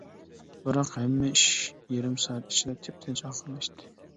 بىراق، ھەممە ئىش يېرىم سائەت ئىچىدە تىپتىنچ ئاخىرلاشتى.